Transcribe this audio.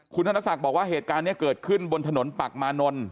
คุณธนศักดิ์บอกว่าเหตุการณ์นี้เกิดขึ้นบนถนนปักมานนท์